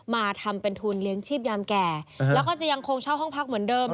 มาทำเป็นทุนเลี้ยงชีพยามแก่แล้วก็จะยังคงเช่าห้องพักเหมือนเดิม